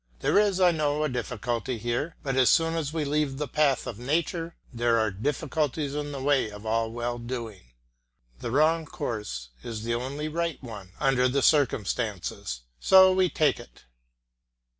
There is, I know, a difficulty here, but as soon as we leave the path of nature there are difficulties in the way of all well doing. The wrong course is the only right one under the circumstances, so we take it.